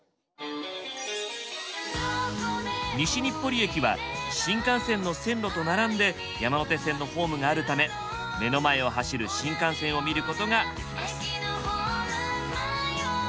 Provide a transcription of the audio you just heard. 西日暮里駅は新幹線の線路と並んで山手線のホームがあるため目の前を走る新幹線を見ることができます。